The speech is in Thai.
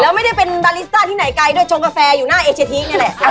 แล้วไม่ได้เป็นบาลิสต้าที่ไหนไกลด้วยชงกาแฟอยู่หน้าเอเชียทีกนี่แหละ